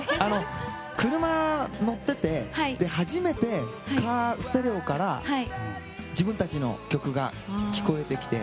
車乗ってて初めてカーステレオから自分たちの曲が聞こえてきて。